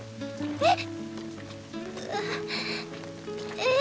えっ？